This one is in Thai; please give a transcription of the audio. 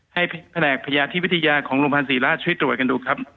ให้แผนกพยาธิวิทยาของโรงพยาบาลศรีราชช่วยตรวจกันดูครับ